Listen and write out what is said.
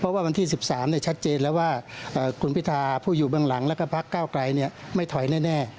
เพราะว่าวันที่๑๓ชัดเจนแล้วว่าคุณพิธาผู้อยู่เบื้องหลังแล้วก็พักเก้าไกลไม่ถอยแน่